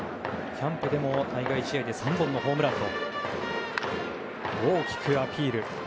キャンプでも対外試合で３本のホームランと大きくアピール。